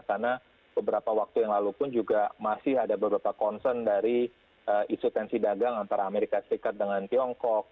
karena beberapa waktu yang lalu pun juga masih ada beberapa concern dari istutensi dagang antara amerika serikat dengan tiongkok